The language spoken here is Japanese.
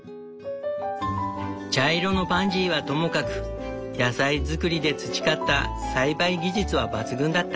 茶色のパンジーはともかく野菜作りで培った栽培技術は抜群だった。